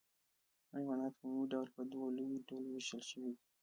حیوانات په عمومي ډول په دوو لویو ډلو ویشل شوي دي